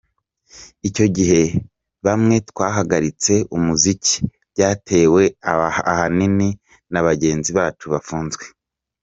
Icyo gihe bamwe twahagaritse umuziki, byatewe ahanini na bagenzi bacu bafunzwe.